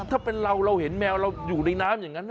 ถ้าเป็นเราเราเห็นแมวเราอยู่ในน้ำอย่างนั้น